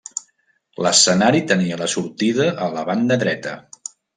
L'escenari tenia la sortida a la banda dreta.